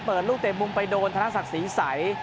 ลูกเตะมุมไปโดนธนศักดิ์ศรีใส